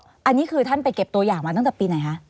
อันนี้คือท่านไปเก็บตัวอย่างมาตั้งแต่ปีไหนคะ